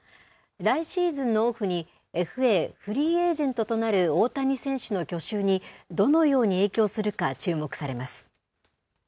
来シーズンのオフにＦＡ・フリーエージェントとなる大谷選手の去就に、どのように影響するか注目されます。